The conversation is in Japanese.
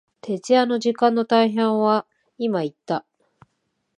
徹夜の時間の大半は、今言った、